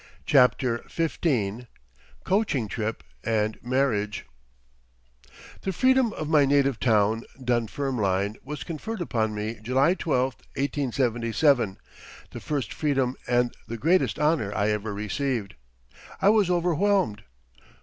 CHAPTER XV COACHING TRIP AND MARRIAGE The Freedom of my native town (Dunfermline) was conferred upon me July 12, 1877, the first Freedom and the greatest honor I ever received. I was overwhelmed.